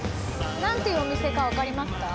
なんていうお店かわかりますか？